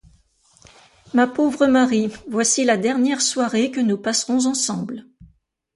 Ma pauvre Marie, voici la dernière soirée que nous passerons ensemble!